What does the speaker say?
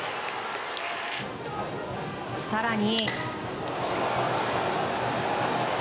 更に。